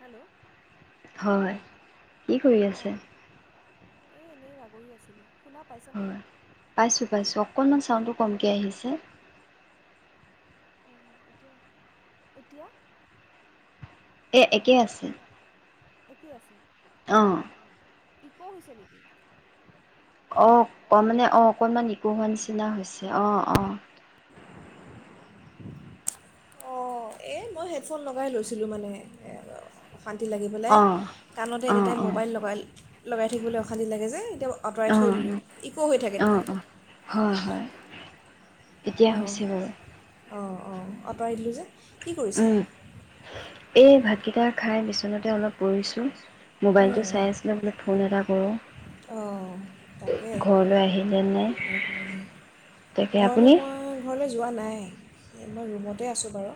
Hello হয় কি কৰি আছে এ এনেই বাগৰি আছিলো। হয় পাইছোঁ পাইছোঁ অকণমান চাউণ্ডটো কমকৈ আহিছে অ এতিয়া এতিয়া এ একেই আছে একেই আছে আহঁ আকৌ' হৈছে নেকি অ মানে অ অকণমান একো হোৱা নিচিনা হৈছে অ অ অ এ মই হেডফোন লগাই লৈছিলো মানে এ অশান্তি লাগি পেলাই অঁ কাণতে এনে অঁ টাইম অঁ মোবাইল লগাই লগাই থাকিবলৈ অশান্তি লাগে যে কেতিয়া আঁতৰাই থৈ অঁ দলোঁ একো হৈ থাকে অঁ দেখোন অঁ হয় হয় এতিয়া অঁ হৈছে বাৰু। অঁ অঁ আঁতৰাই দিলোঁ যে কি কৰিছে উম, এই ভাতকেইটা খাই বিচনাতে অলপ পৰিছোঁ মোবাইলটো চাই আছিলে বোলো ফোন এটা কৰোঁ অঁ তাকেই ঘৰলৈ আহিলে নাই তাকে ঘৰলে আপুনি মই যোৱা নাই মই ৰুমতে আছোঁ বাৰু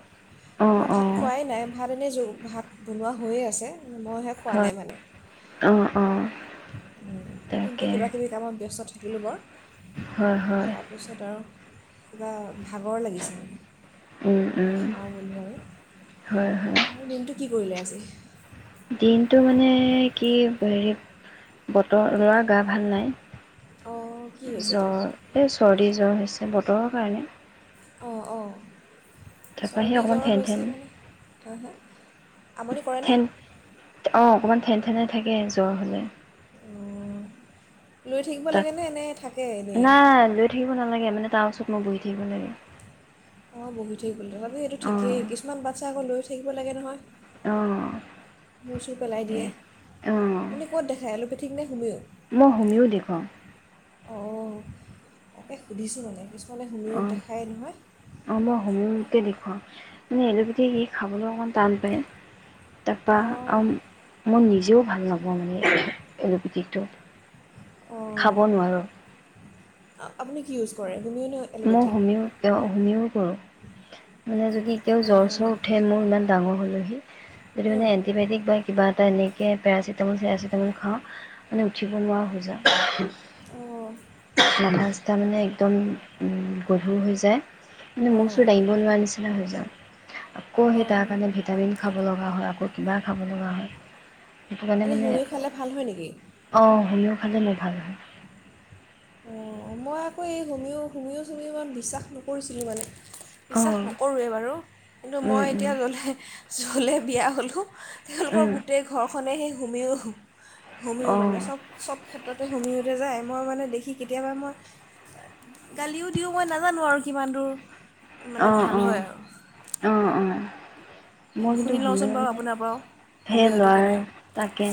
অঁ মই ভাত অঁ খোৱাই নাই ভাত এনেই জ ভাত বনোৱা হৈয়ে আছে মইহে খোৱা নাই মানে অ অ এই দিনটো কিবা কিবি কামত ব্যস্ত থাকিলোঁ বাৰু হয় হয় তাৰপিছত আৰু কিবা ভাগৰ লাগিছে মানে উম এ উম। খাওঁ ব'লো বাৰু হয় হয় আৰু দিনটো কি কৰিলে আজি দিনটো মানে কি হেৰি বতৰ লোৱা গা ভাল অঁ কি নাই হৈছে তাৰ জ্বৰ এই চৰ্দি জ্বৰ হৈছে বতৰৰ কাৰণে অঁ অঁ তাৰপ সেই চৰ্দি অকণমান জ্বৰ হৈছে ফেনথেন মানে হা হা আমনি কৰেনে থেন অ অকমান ঠেন ঠেনে থাকে জ্বৰ হলে উ। তাক নাই লৈ থাকিব নালাগে। মানে তাৰ ওচৰত মই বহি থাকিব লাগে। অ বহি থাকিব লাগে। তথাপি এইটো ঠিকেই। অঁ কিছুমান বাচ্ছা আকৌ লৈ থাকিব লাগে নহয়। অঁ। মূৰ চুৰ পেলাই দিয়ে। সেই অঁ আপুনি ক'ত দেখাই? এলোপেথিক নে হোমিঅ? মই হুমিও দেখুৱাও। অঁ তাকে সুধিছোঁ মানে। কিছুমানে হোমিঅত অঁ দেখাই নহয়। দেখুৱা মানে এলোপেথিক সি খাবলৈ অকণমান টান পায়। অঁ তাৰপৰা মোৰ নিজেও ভাল নাপাওঁ মানে এল'পেথিকটো। অ, খাব নোৱাৰোঁ আপুনি কি ইউজ কৰে? হোমিঅ' নে মই এল'পেথিক হোমিও, হোমিও কৰোঁ। মানে যদি এতিয়াও জ্বৰ অঁ চৰ উঠে মোৰ। ইমান ডাঙৰ হল যদি উম, মানে এণ্টিবায়টিক বা কিবা তেনেকৈ পেৰাচিটামল চেৰাচিটামল খাওঁ মানে উঠিব নোৱাৰা হৈ যাও। অঁ মাথা -চাথা মানে একদম গধুৰ হৈ যায়। মানে অঁ মুৰ অঁ চোৰ দাঙিব নোৱাৰা নিচিনা হৈ যায়। আকৌ সেই তাৰ অঁ কাৰণে ভিটামিন খাব লগা হয়। আকৌ কিবা খাব লগা হয়। সেইকাৰণে এনেই মানে, হোমিঅ' খালে ভাল হয় নেকি অ হোমিঅখালে মানে ভাল হয়। অ মই আকৌ এই হোমিও হোমিও চুমিও ইমান বিশ্বাস নকৰিছিলোঁ মানে। বিশ্বাস অঁ নকৰোঁৱেই বাৰু। কিন্তু মই এতিয়া জলে জলে বিয়া হ'লো তেওঁলোকৰ অঁ গোটেই ঘৰখনে সেই হোমিও। হোমিও অঁ মানে চব, চব ক্ষেত্ৰতে হোমিওতে যায় মই মানে দেখি। কেতিয়াবা মই গালিও দিওঁ মই নাজানো আৰু কিমান দূৰ। মানে অঁ ভাল অঁ হয় আৰু। এনে মোৰ কিন্তু শুনি লওঁচোন হোমিও বাৰু আপোনাৰ পৰাও সেই হোমিওটো ল'ৰা কেনে তাকে।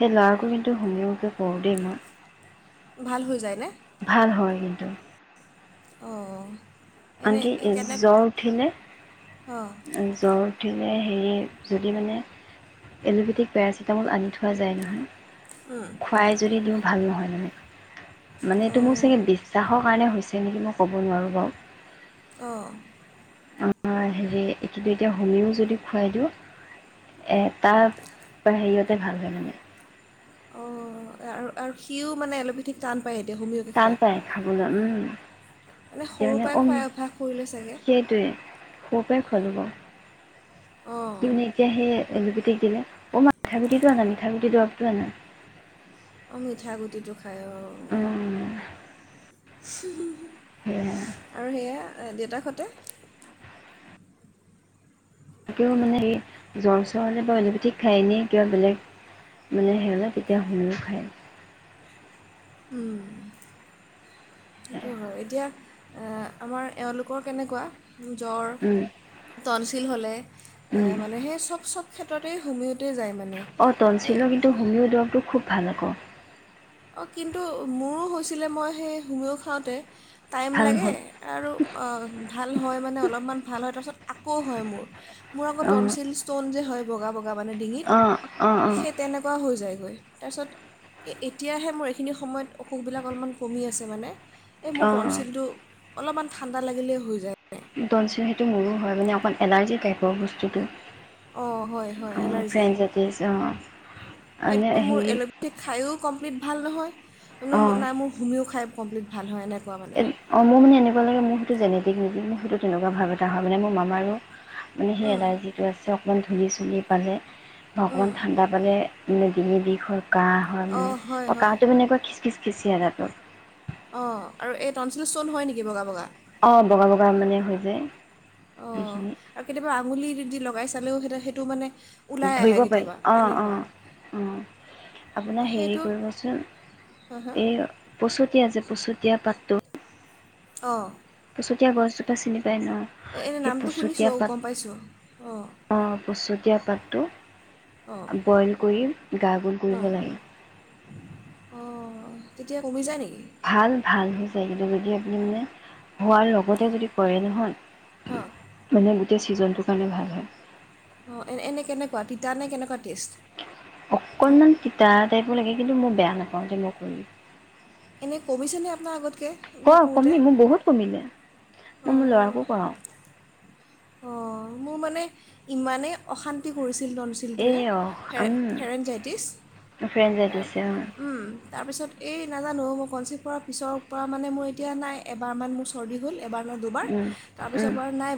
সেই ল'ৰাটো কিন্তু হোমিয়কে কৰোঁ দেই মই। ভাল হৈ যায় নে? ভাল হয় কিন্তু। অহ। আনকি জ্বৰ উঠিলে, অঁ জ্বৰ উঠিলে হেৰি যদি মানে এল'ভেদিক পেৰাচিটামল আনি থোৱা যায় উম, নহয়। খুৱাই যদি দিওঁ ভাল নহয় মানে। মানে এইটো মোৰ অঁ চাগে বিশ্বাসৰ কাৰণে হৈছে নেকি? মই ক'ব নোৱাৰোঁ বাৰু। অ'হ হেৰি এই এতিয়া হোমিও যদি খুৱাই দিওঁ। এ তাৰ পৰা হেৰিয়তে ভাল হয় মানে। অ আৰু আৰু সিও মানে এল'পেথিক টান পায় এতিয়া হোমিয়কে টান খায়। পায় খাবলৈ উম মানে সৰুৰ পৰাই [inaudible] অ খোৱাই অভ্যাস কৰিলে চাগে সেইটোৱে প পে খোলিৱ। অঁ কি মই এতিয়া সেই এলুপিটিক দিলে অ মা মিঠা গুটিটো আনা মিঠা গুটিৰ দৰবটো আনা। অ মিঠা গুটিটো খায় অ'। অ' সেয়া আৰু সেয়া দেউতাক হতে। তাকেও মানে হে জ্বৰ চৰ হ'লে বা অলিপেথিক খায় এনে কিবা বেলেগ। মানে সিঁহতে তেতিয়া হোমিয় খায়। উম, সেইটো হয়। এতিয়া আমাৰ এওঁলোকৰ কেনেকুৱা? জ্বৰ, টনচিল হ'লে মানে সেই চব চব ক্ষেত্ৰতেই যায় মানে। অ তলচৰ এ, কিন্তু হোমিও দৰৱটো খুব ভাল আকৌ। অ কিন্তু মোৰো হৈছিলে, মই সেই হোমিয় খাওঁতে টাইম ভাল লাগে হ'ল আৰু ভাল হয় মানে অলপমান ভাল হয় তাৰপিছত আকৌ হয় মোৰ। মোৰ আকৌ অঁ টনচিল ষ্টন যে হয় বগা বগা মানে ডিঙিত। অঁ অঁ অঁ সেই তেনেকুৱা হৈ যায়গৈ তাৰপিছত এই। তেতিয়াহে মোৰ এইখিনি সময়ত অসুখবিলাক অলপমান কমি আছে মানে। এই মোৰ অঁ টনচিলটো অলপমান ঠাণ্ডা লাগিলে হৈ যায়। টনছিল সেইটো মোৰো হয় মানে অকণমান এলাৰ্জি টাইপৰ বস্তুটো। অ হয়, হয় অঁ এলাৰ্জি। ফ্ৰেঞ্চ জাতিছ অঁ মানে সেইটো হেৰি মোৰ [inaudible] খাইও কম্প্লিট ভাল নহয় অঁ নাই মোৰ হোমিও খাই কমপ্লিট ভাল হয়। মানে অ মোৰ মানে এনেকুৱা লাগে মোৰ সেইটো জেনেটিক নেকি? মোৰ সেইটো তেনেকুৱা ভাৱ এটা হয় মানে মোৰ মামাৰো। মানে সেই উম, এলাৰ্জিটো আছে, অকণমান ধূলি চুলি পালে বা অকণমান উম। ঠাণ্ডা পালে মানে ডিঙিৰ বিষ হয়, কাঁহ হয় মানে অঁ হয় হয় কাঁহটো মানে এনেকুৱা খিচখিচ খিচিয়া দাঁতত। অ আৰু এই টনচিল ষ্টন হয় নেকি বগা বগা? অ বগা বগা মানে হৈ যায়। অ সেইখিনি আৰু কেতিয়াবা আঙুলিদি লগাই চালেও সেই সেইটো মানে ওলাই আহে ধৰিব পাৰি। কেতিয়াবা অ-অ এনেকুৱা ও। আপোনাৰ হেৰি সেইটো কৰিবচোন। হা হা এই পচুতিয়া যে পচুতীয়া পাতটো অ। পচতীয়া গছ জোপা চিনি অঁ এনেই সেই নামটো পচতীয়া শুনিছোঁ পাত। গম পাইছোঁ অঁ অ পছ পাতটো অঁ বইল কৰি গা গোল কৰিব অঁ লাগে। অঁ তেতিয়া কমি যায় নেকি? ভাল, ভাল হৈ যায়। কিন্তু যদি আপুনি মানে হোৱাৰ লগতে যদি কৰে নহয় হ? এতিয়া ছিজনটোৰ কাৰণে ভাল হয়। অঁ এ এনে কেনেকুৱা তিতা নে কেনেকুৱা টেষ্ট? অকনমান তিতা টাইপো লাগে। কিন্তু মই বেয়া নাপাওঁ, যে মই কৰিম। এনেই কমিছেনে আপোনাৰ আগতকে ক এইবিলাক কমি কৰোঁতে? মোৰ বহুত কমিলে মই মোৰ ল'ৰাকো কৰাওঁ। অ, মোৰ মানে ইমানেই অশান্তি কৰি ছিল টনচিল্টোৱে। এই অ উম ফেৰেঞজাইটিছ। ফ্ৰেণ্ড যাই তাৰ দিছে অ উম তাৰপিছত এই নাজানো মই কনচি পৰা পিছৰ পৰা মানে মোৰ এতিয়া নাই এবাৰমান মোৰ চৰ্দি হ'ল। এবাৰ নহয়, দুবাৰ। উম তাৰপিছৰ উম পৰা নাই।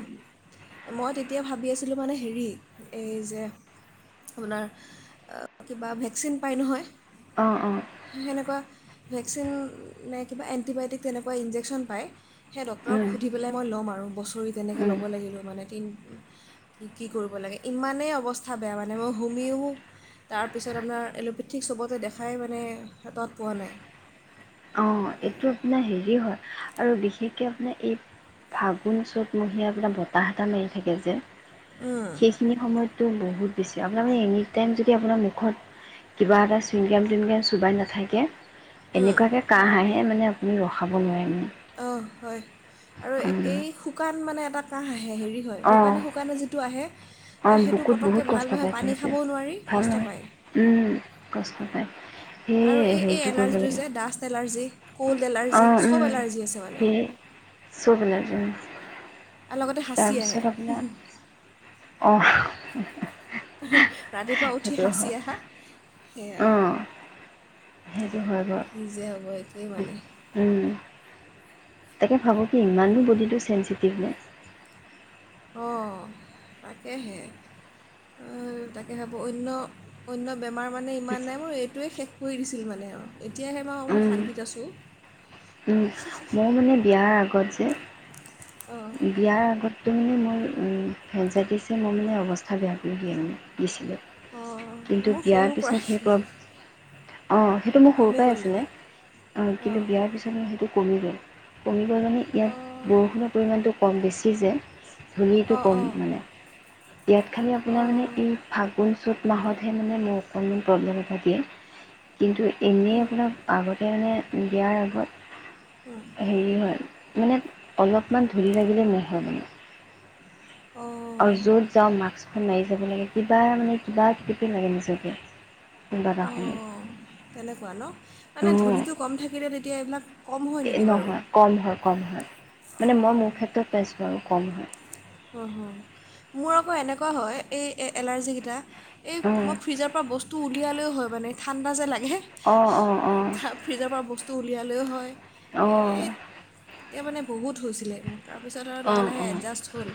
মই তেতিয়া ভাবি আছিলোঁ মানে হেৰি এই যে আপোনাৰ কিবা ভেকচিন পায় নহয়। অ অ সেনেকুৱা ভেকচিন নে কিবা এণ্টিবায়টিক তেনেকুৱা ইনজেকচন পায়। সেই ডক্তৰক উম সুধি পেলে মই লম আৰু। বছৰি তেনেকে ল উম মানে তি কি কি কৰিব লাগে। ইমানেই অৱস্থা বেয়া মানে। মই হোমিও তাৰপিছত আপোনাৰ এল'পেথিক চবতে দেখাই মানে তত পোৱা নাই। অ এইটো আপোনাৰ হেৰি হয়। আৰু বিশেষকে আপোনাৰ এই ফাগুন চ'তমহীয়া আপোনাৰ বতাহ এটা মাৰি থাকে যে। উম, সেইখিনি সময়তটো বহুত বেছি। আপোনাৰ মানে এনি টাইম যদি আপোনাৰ মুখত কিবা এটা চুইন গাম তুইন গাম চোবাই নাথাকে উম, এনেকুৱাকৈ কাঁহ আহে মানে আপুনি ৰখাব নোৱাৰে মানে। অ, হয় আৰু এই শুকান মানে এটা কাহ আহে হেৰি হয়। অঁ শুকানে শুকানে যিটো আহে। অঁ সেইটো বুকুত পতককে বহুত ভাল কষ্ট নহয়। পায়তো পানী সেইটোৱে খাবও নোৱাৰি, ভাল কষ্ট নহয় পায়। উম কষ্ট পায় সেই আৰু এই এই হেৰিটো কৰিব এলাৰ্জিটো লাগিব যে ডাষ্ট এলাৰ্জি ক'ল্ড এলাৰ্জি অঁ উম সব এলাৰ্জি আছে মানে সেই [unintelligible] আৰু লগতে সাঁচি আহে উ ৰাতিপুৱা উঠি সাঁচি আহা সেয়া অঁ সেইটো হয় বাৰু নিজে হ'ব একেই মানে উম তাকে ভাবোঁ কি ইমানো বডিটো চেঞ্চিটিভ নে অঁ তাকেহে অঁ তাকে ভাবো অন্য বেমাৰ মানে ইমান নাই মোৰ এইটোৱে শেষ কৰি দিছিল মানে আৰু এতিয়াহে মই অলপ উম শান্তিত আছোঁ মোৰ মানে বিয়াৰ আগত অঁ যে বিয়াৰ আগত তো মানে মোৰ ফ্ৰেণ্ডছাইটিছে মোৰ মানে অৱস্থা বেয়া কৰি দিয়ে মানে দিছিলে অঁ কিন্তু মোৰ বিয়াৰ সৰুৰ পৰাই পিছত সেই অলপ অঁ সেইটো মোৰ সৰুৰ কমি পৰাই গ'ল আছিলে নেকি অঁ কিন্তু অঁ বিয়াৰ পিছত মোৰ সেইটো কমি গল কমিব' মানে ইয়াত বৰষুণৰ পৰিমাণটো কম বেছি যে ধূলিটো অঁ ক'ম অঁ মানে ইয়াত খালি আপোনাৰ অঁ মানে এই ফাগুণ চত মাহতহে মানে মোক অকণমান প্ৰব্লেম এটা দিয়ে। কিন্তু এনেই আপোনাৰ আগতে মানে বিয়াৰ আগত অঁ হেৰি হয় মানে অলপমান ধূল লাগিলে মোৰ হয় মানে আৰু অঁ য'ত যাওঁ মাস্শখন মাৰি যাব লাগে কিবা মানে কিবা কপি লাগে নিজকে কোনোবা এটা সময়ত অঁ তেনেকুৱা ন মানে ধূলিটো কম থাকিলে তেতিয়া এইবিলাক কম হয় নেকি বাৰু নহয় কম হয় কম হয় মানে মই অঁ মোৰ ক্ষেত্ৰত পাইছোঁ কম হয়। মোৰ আকৌ এনেকুৱা হয় এই এলাৰ্জিকেইটা। অ' এই মই ফ্ৰিজৰ পৰা বস্তু উলিয়ালেও হয় মানে ঠাণ্ডা যে লাগ হে অ' অ' অ' ফ্ৰিজৰ পৰা বস্তু উলিয়ালেও হয়। অঁ এতিয়া মানে বহুত হৈছিলে মোৰ তাৰপিছত আৰু লাহে লাহে অ' এডজাষ্ট হ'ল।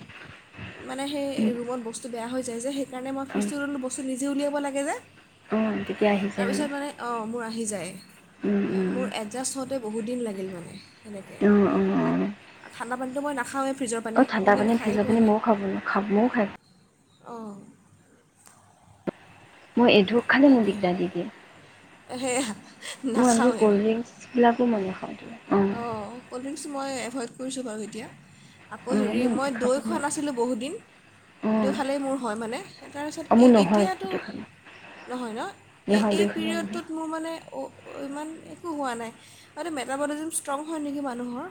মানে সেই ৰুমত বস্তু বেয়া হৈ যায় যে সেইকাৰণে মই অ' ফ্ৰিজটো ল'লোঁ বস্তু নিজে উলিয়াব লাগে যে। অ' তেতিয়া আহিছে তাৰপিছত মানে অ মোৰ আহি যায় উম, উম, উম, মোৰ এডজাষ্ট হওঁতে বহুত দিন লাগিল মানে। সেনেকে অ' অ' অ' আৰু ঠাণ্ডা পানীটো মই নাখাওঁৱেই ফ্ৰিজৰ পানী কোনদিন খায় মইও খাব নোৱাৰোঁ খা মইও খাইছিলোঁ। আহ মই এডোক খালে মোক দিকদাৰ দি দিয়ে। সেয়া মোৰ আনকি নাখাওঁৱেই ক'ল্ড ড্ৰিংকছবিলাকো মই নেখাও অঁ ক'ল্ড ড্ৰিংকছ মই এভইড কৰিছোঁ বাৰু এতিয়া আকৌ অ' হেৰি মোৰ মই খাব দৈ খোৱা নাছিলোঁ বহুত দিন। দৈ অ' খালে মোৰ হয় মানে তাৰপিছত মোৰ নহয় এতিয়াতো সেইটো খালে নহয় ন এই নহয় এই দুইখনে নহয় পিৰিয়ডটোত মোৰ মানে অ ইমান একো হোৱা নাই আৰু মেটাবলিজিম ষ্ট্ৰং হয় নেকি মানুহৰ।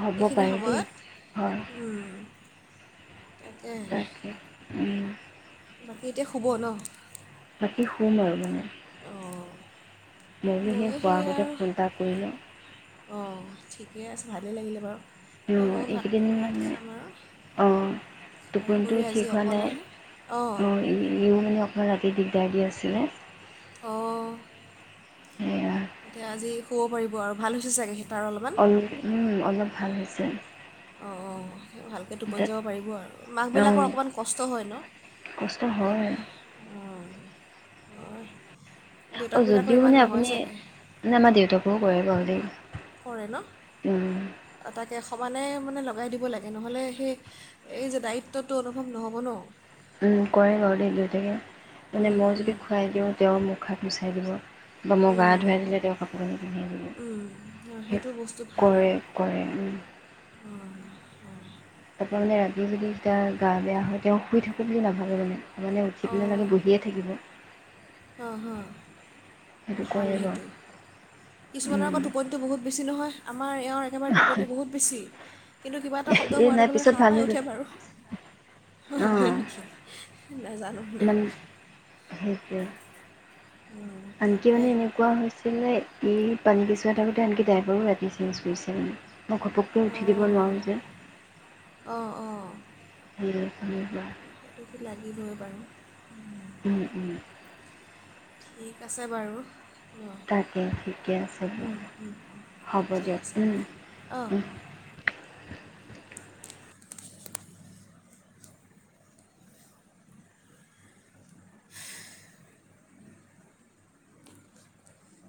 হ'ব এইখিনি পাৰে দেই সময়ত হয় তাকে তাকে ই বাকী এতিয়া শুব ন। বাকী শুম আৰু মানে অ' মই নো সেই হোৱাৰ আগতে ফোন এটা কৰিলোঁ। অঁ ঠিকে আছে ভালেই লাগিলে বাৰু। অ এই ময়ো ভাত এইকেইদিন ভাত মানে খাম আৰু আহ। খাই কৰি টোপনিটোও আজি ঠিক হোৱা নাই অকলেহে অঁ অ ইও মানে অক ৰাতি দেৰি জাগি আছিলে। অ সেয়া এতিয়া আজি শুব পাৰিব আৰু ভাল হৈছে চাগে। তাৰ অলপমান অলপ উ অলপ ভাল হৈছে। অঁ অঁ ভালকৈ টোপনি তাত যাব পাৰিব আৰু অ মাকবিলাকৰ অকণমান কষ্ট হয় ন। কষ্ট হয় আৰু। অ। অ যদিও মানে আপুনি মানে আমাৰ দেউতাকো কৰে বাৰু দেই কৰে ন উম। তাকে। সমানে মানে লগাই দিব লাগে নহ'লে সেই এই যে দায়িত্বটো অনুভৱ নহ'ব ন, উম! কৰে বাৰু দেউতাকে মানে উম মই যদি উম খুৱাই দিওঁ তেওঁ মোক হাত মুছাই দিব। বা মই গা উম ধুৱাই দিলে তেওঁ কাপোৰ কানি পিন্ধাই উম দিব অঁ, সেই সেইটো বস্তু ভাল কৰে কৰে। [inaudible] অঁ হয় তাৰপৰা মানে ৰাতি যদি তেতিয়া গা বেয়া হয় তেওঁ শুই থাকো বুলি নাভাবে মানে। মানে উঠি পনে মাগে বহিয়ে থাকিব। অঁহ হ, সেইটো ভাল কৰে বাৰু সেইটো। কিছুমানৰ আক' উম, টোপনিটো বহুত বেছি নহয়। আমাৰ এৱঁৰ একেবাৰে টোপনি বহুত বেছি। কিন্তু কিবা এটা শব্দ এই হোৱাৰ নাই লগে লগে পিছত ভাল হৈ সাৰপাই যাব উঠে বাৰু। অঁ হেঁ-হেঁ কি নেজানোং দেই। ইয়হ অঁ, আনকি তাকে মানে, এনেকুৱা হৈছিলে এই পানীকেচুৱা থাকোঁতে আনকি ড্ৰাইভাৰো ৰাতি চেঞ্জ কৰিছে। মই ঘপককৈ উঠি দিব অঁ নোৱাৰোঁ যে অঁ যেনিবা। সেইতোটো লাগিবই বাৰু। উম, উম ঠিক আছে বাৰু। অঁ তাকে, ঠিকে আছে। হ'ব ঠিক দিয়ক। আছে অঁ, উম। অঁহ [unintelligible]